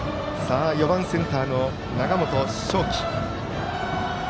４番センターの永本翔規。